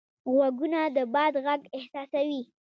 غوږونه د باد غږ احساسوي